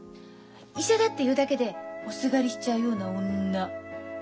医者だっていうだけでおすがりしちゃうような女。